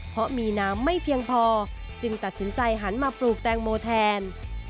เพราะมีน้ำไม่เพียงพอจึงตัดสินใจหันมาปลูกแตงโมแทน